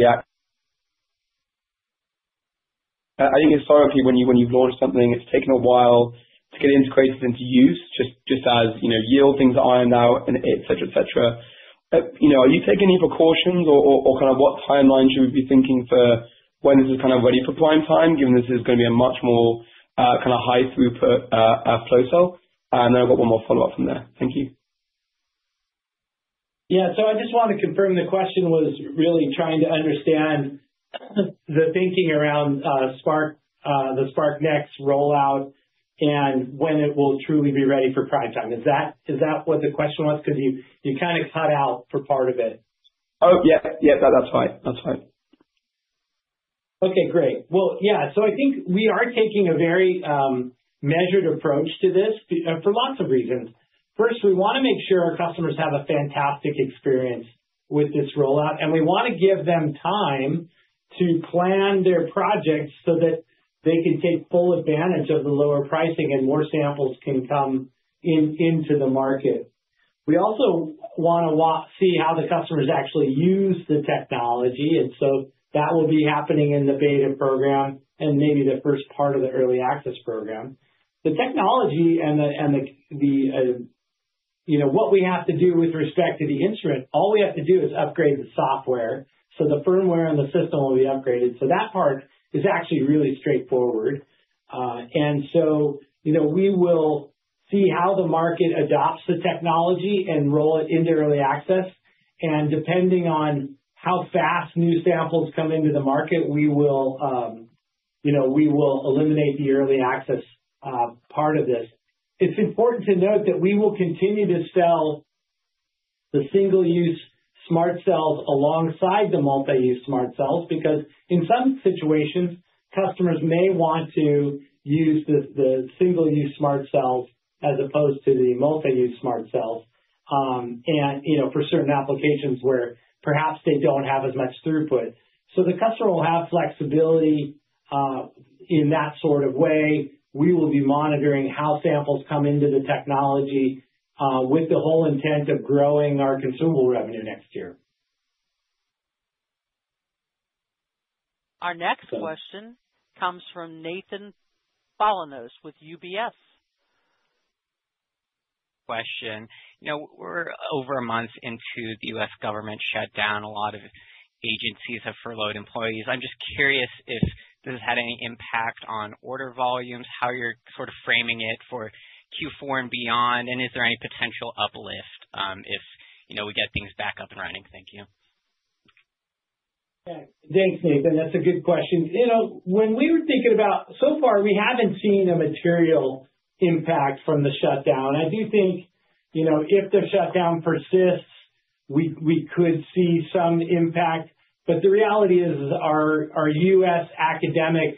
think historically, when you've launched something, it's taken a while to get integrated into use, just as, you know, yield things are ironed out, etc., etc. You know, are you taking any precautions or kind of what timelines you would be thinking for when this is kind of ready for prime time, given this is going to be a much more kind of high-throughput flow cell? And then I've got one more follow-up from there. Thank you. Yeah, so I just want to confirm the question was really trying to understand the thinking around the SPRQ-Nx rollout and when it will truly be ready for prime time. Is that what the question was? Because you kind of cut out for part of it. Oh, yeah. Yeah, that's fine. That's fine. Okay, great. Well, yeah, so I think we are taking a very measured approach to this for lots of reasons. First, we want to make sure our customers have a fantastic experience with this rollout, and we want to give them time to plan their projects so that they can take full advantage of the lower pricing and more samples can come into the market. We also want to see how the customers actually use the technology. And so that will be happening in the beta program and maybe the first part of the early access program. The technology and the, you know, what we have to do with respect to the instrument, all we have to do is upgrade the software. So the firmware and the system will be upgraded. So that part is actually really straightforward. And so, you know, we will see how the market adopts the technology and roll it into early access. And depending on how fast new samples come into the market, we will, you know, we will eliminate the early access part of this. It's important to note that we will continue to sell the single-use SMRT Cells alongside the multi-use SMRT Cells because in some situations, customers may want to use the single-use SMRT Cells as opposed to the multi-use SMRT Cells, you know, for certain applications where perhaps they don't have as much throughput. So the customer will have flexibility in that sort of way. We will be monitoring how samples come into the technology with the whole intent of growing our consumable revenue next year. Our next question comes from Nathan Bolanos with UBS. Question. You know, we're over a month into the U.S. government shutdown. A lot of agencies have furloughed employees. I'm just curious if this has had any impact on order volumes, how you're sort of framing it for Q4 and beyond, and is there any potential uplift if, you know, we get things back up and running? Thank you. Thanks, Nathan. That's a good question. You know, when we were thinking about so far, we haven't seen a material impact from the shutdown. I do think, you know, if the shutdown persists, we could see some impact. But the reality is our U.S. academic,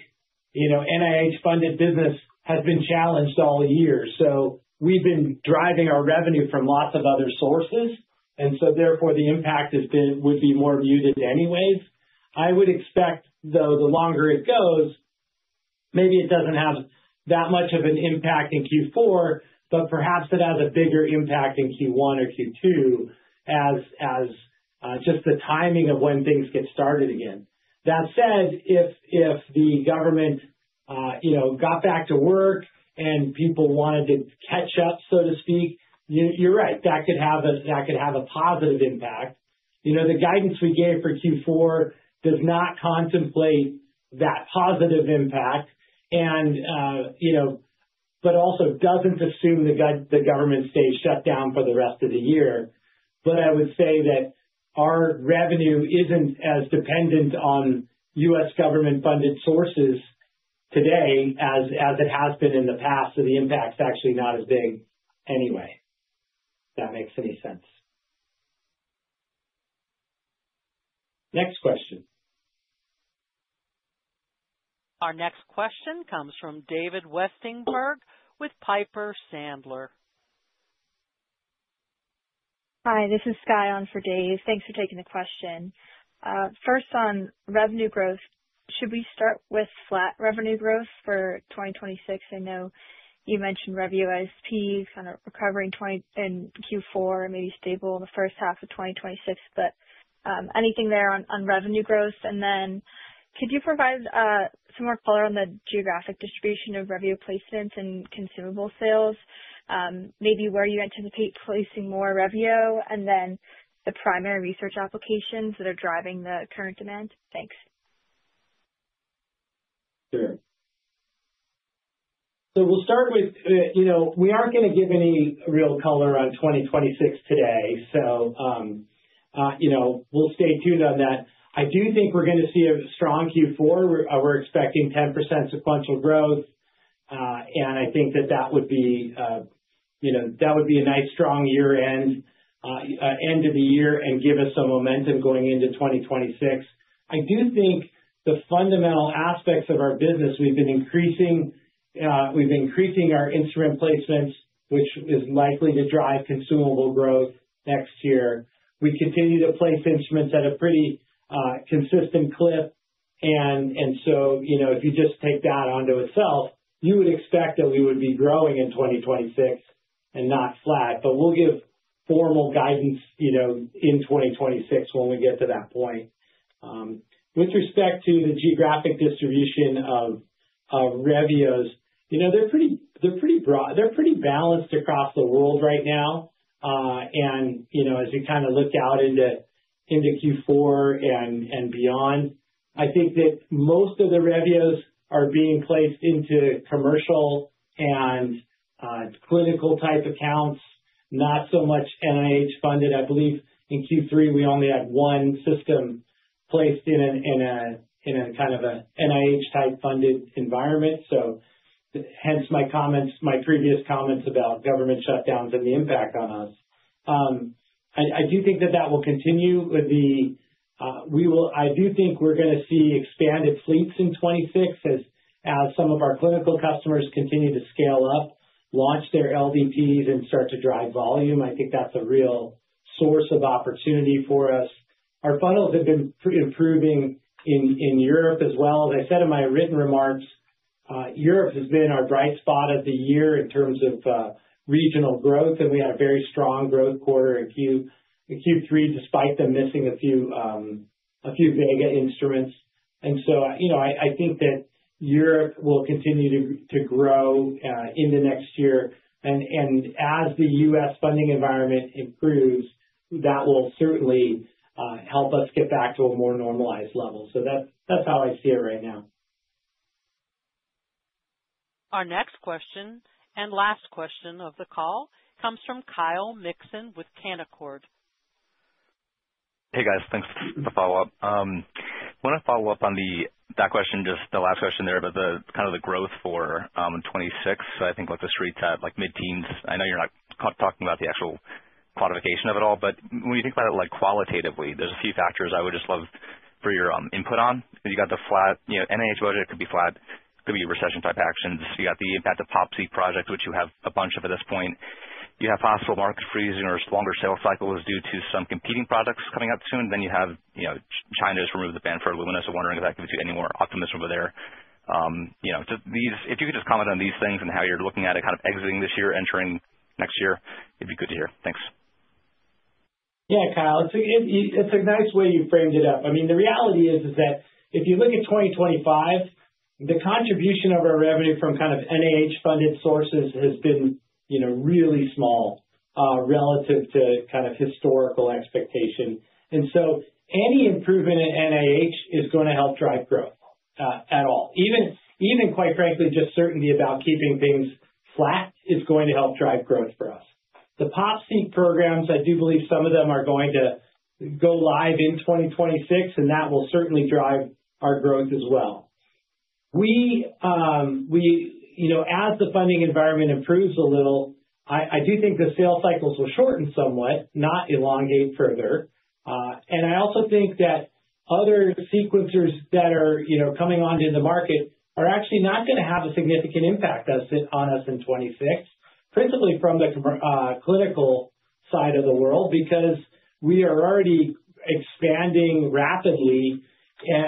you know, NIH-funded business has been challenged all year. So we've been driving our revenue from lots of other sources. And so therefore, the impact would be more muted anyways. I would expect, though, the longer it goes, maybe it doesn't have that much of an impact in Q4, but perhaps it has a bigger impact in Q1 or Q2 as just the timing of when things get started again. That said, if the government, you know, got back to work and people wanted to catch up, so to speak, you're right, that could have a positive impact. You know, the guidance we gave for Q4 does not contemplate that positive impact and, you know, but also doesn't assume the government stays shut down for the rest of the year. But I would say that our revenue isn't as dependent on U.S. government-funded sources today as it has been in the past. So the impact's actually not as big anyway, if that makes any sense. Next question. Our next question comes from David Westenberg with Piper Sandler. Hi, this is Skye on for Dave. Thanks for taking the question. First, on revenue growth, should we start with flat revenue growth for 2026? I know you mentioned Revio ASPs kind of recovering in Q4 and maybe stable in the first half of 2026, but anything there on revenue growth? And then could you provide some more color on the geographic distribution of Revio placements and consumable sales, maybe where you anticipate placing more Revio and then the primary research applications that are driving the current demand? Thanks. Sure, so we'll start with, you know, we aren't going to give any real color on 2026 today. So, you know, we'll stay tuned on that. I do think we're going to see a strong Q4. We're expecting 10% sequential growth. I think that would be, you know, that would be a nice strong year-end, end of the year and give us some momentum going into 2026. I do think the fundamental aspects of our business, we've been increasing our instrument placements, which is likely to drive consumable growth next year. We continue to place instruments at a pretty consistent clip. And so, you know, if you just take that onto itself, you would expect that we would be growing in 2026 and not flat. But we'll give formal guidance, you know, in 2026 when we get to that point. With respect to the geographic distribution of Revios, you know, they're pretty broad. They're pretty balanced across the world right now. You know, as we kind of look out into Q4 and beyond, I think that most of the Revios are being placed into commercial and clinical type accounts, not so much NIH-funded. I believe in Q3, we only had one system placed in a kind of an NIH-type funded environment. Hence my comments, my previous comments about government shutdowns and the impact on us. I do think that will continue. We will, I do think we're going to see expanded fleets in 2026 as some of our clinical customers continue to scale up, launch their LDPs and start to drive volume. I think that's a real source of opportunity for us. Our funnels have been improving in Europe as well. As I said in my written remarks, Europe has been our bright spot of the year in terms of regional growth. And we had a very strong growth quarter in Q3 despite them missing a few Vega instruments. And so, you know, I think that Europe will continue to grow in the next year. And as the U.S. funding environment improves, that will certainly help us get back to a more normalized level. So that's how I see it right now. Our next question and last question of the call comes from Kyle Mikson with Canaccord. Hey, guys, thanks for the follow-up. I want to follow up on that question, just the last question there about the kind of the growth for 2026. So I think what the streets had, like mid-teens. I know you're not talking about the actual quantification of it all, but when you think about it, like qualitatively, there's a few factors I would just love for your input on. You got the flat, you know, NIH budget could be flat, could be recession-type actions. You got the impact of PopSeq projects, which you have a bunch of at this point. You have possible market freezing or longer sales cycles due to some competing products coming up soon. Then you have, you know, China's removed the ban for Illumina. I'm wondering if that gives you any more optimism over there. You know, if you could just comment on these things and how you're looking at it kind of exiting this year, entering next year, it'd be good to hear. Thanks. Yeah, Kyle, it's a nice way you framed it up. I mean, the reality is that if you look at 2025, the contribution of our revenue from kind of NIH-funded sources has been, you know, really small relative to kind of historical expectation. And so any improvement in NIH is going to help drive growth at all. Even, quite frankly, just certainty about keeping things flat is going to help drive growth for us. The PopSeq programs, I do believe some of them are going to go live in 2026, and that will certainly drive our growth as well. We, you know, as the funding environment improves a little, I do think the sales cycles will shorten somewhat, not elongate further. And I also think that other sequencers that are, you know, coming onto the market are actually not going to have a significant impact on us in 2026, principally from the clinical side of the world because we are already expanding rapidly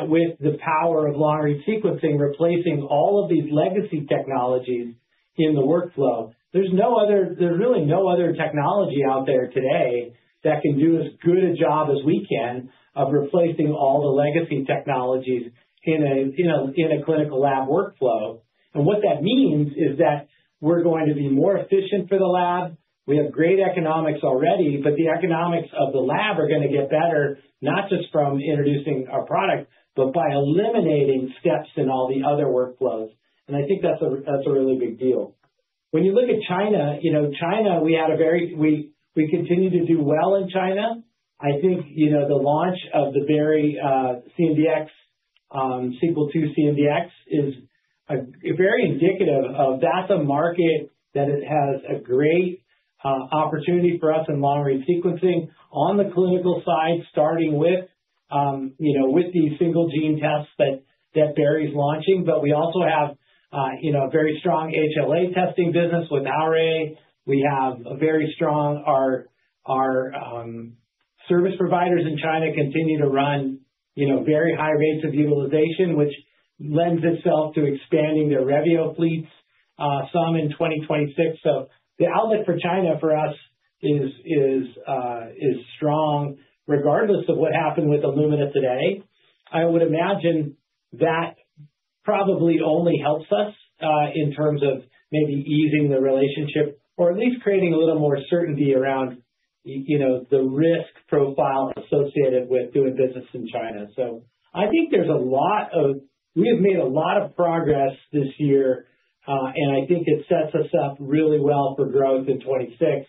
with the power of long-read sequencing, replacing all of these legacy technologies in the workflow. There's no other, there's really no other technology out there today that can do as good a job as we can of replacing all the legacy technologies in a clinical lab workflow. And what that means is that we're going to be more efficient for the lab. We have great economics already, but the economics of the lab are going to get better, not just from introducing our product, but by eliminating steps in all the other workflows. And I think that's a really big deal. When you look at China, you know, China, we had a very, we continue to do well in China. I think, you know, the launch of the Sequel II CNDx is very indicative of that's a market that it has a great opportunity for us in long-read sequencing on the clinical side, starting with, you know, with the single-gene tests that Berry's launching. But we also have, you know, a very strong HLA testing business with Haorui. We have a very strong, our service providers in China continue to run, you know, very high rates of utilization, which lends itself to expanding their Revio fleets, some in 2026. So the outlook for China for us is strong regardless of what happened with Illumina today. I would imagine that probably only helps us in terms of maybe easing the relationship or at least creating a little more certainty around, you know, the risk profile associated with doing business in China. So I think there's a lot of, we have made a lot of progress this year, and I think it sets us up really well for growth in 2026,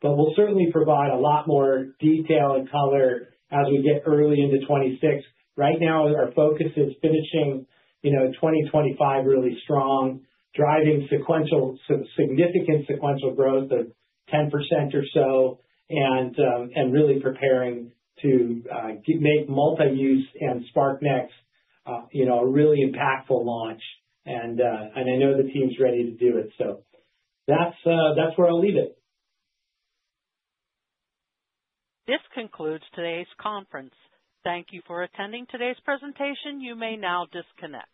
but we'll certainly provide a lot more detail and color as we get early into 2026. Right now, our focus is finishing, you know, 2025 really strong, driving significant sequential growth of 10% or so and really preparing to make multi-use and SPRQ-Nx, you know, a really impactful launch. And I know the team's ready to do it. So that's where I'll leave it. This concludes today's conference. Thank you for attending today's presentation. You may now disconnect.